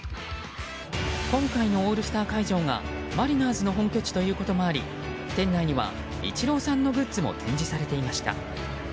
今回のオールスター会場がマリナーズの本拠地ということもあり店内にはイチローさんのグッズも展示されていました。